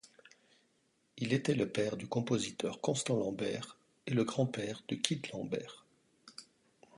Il était le père du compositeur Constant Lambert et le grand-père de Kit Lambert.